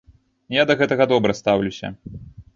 Я да гэтага добра стаўлюся.